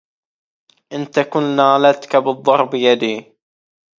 إن تكن نالتك بالضرب يدي